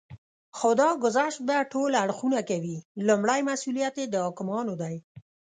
خو دا ګذشت به ټول اړخونه کوي. لومړی مسئوليت یې د حاکمانو دی